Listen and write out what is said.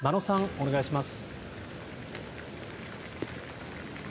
お願いします。